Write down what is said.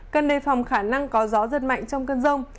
cần đề phòng khả năng có gió giật mạnh trong cơn rông